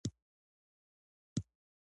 نو باید د هر شخص لپاره هم قایل واوسو.